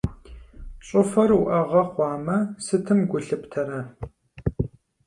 ЩӀыфэр уӀэгъэ хъуамэ, сытым гу лъыптэрэ?